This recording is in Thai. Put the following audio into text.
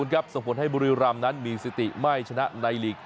๐๐ครับสมควรให้บุริยุรัมณ์นั้นมีสิทธิไม่ชนะในลีก